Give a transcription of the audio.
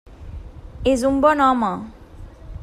És un bon home.